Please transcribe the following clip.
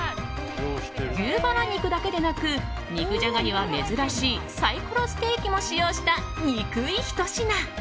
牛バラ肉だけではなく肉じゃがには珍しいサイコロステーキも使用したニクいひと品。